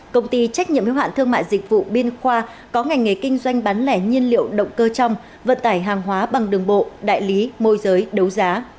công ty trách nhiệm hiếu hạn thương mại dịch vụ biên khoa có ngành nghề kinh doanh bán lẻ nhiên liệu động cơ trong vận tải hàng hóa bằng đường bộ đại lý môi giới đấu giá